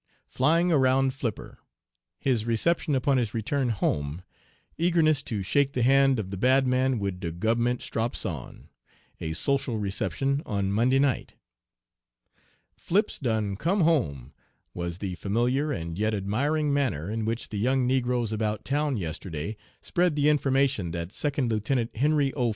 FLYING AROUND FLIPPER. HIS RECEPTION UPON HIS RETURN HOME EAGERNESS TO SHAKE THE HAND OF THE "BAD MAN WID DE GUB'MENT STROPS ON!" A SOCIAL RECEPTION ON MONDAY NIGHT. "'Flip's done come home!' was the familiar, and yet admiring manner in which the young negroes about town yesterday spread the information that Second Lieutenant Henry O.